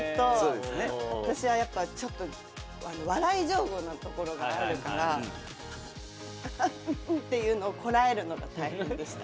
私はやっぱちょっと笑い上戸なところがあるから「あっうんうん！」っていうのをこらえるのが大変でした。